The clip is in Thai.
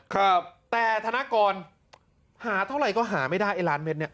ครับแต่ธนกรหาเท่าไหร่ก็หาไม่ได้ไอ้ล้านเม็ดเนี้ย